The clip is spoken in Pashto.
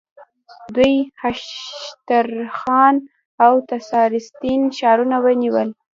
دوی هشترخان او تساریتسین ښارونه ونیول.